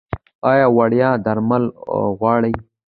ایا وړیا درمل غواړئ؟